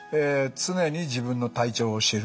「常に自分の体調を知る」。